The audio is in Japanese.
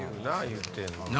言うてんのに。